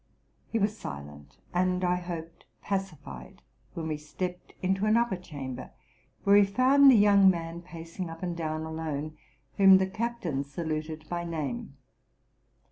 He was 316 TRUTH AND FICTION silent, and I hoped pacified, when we stepped into an upper chamber, where we found a young man pacing up and down alone, whom the captain saluted by name.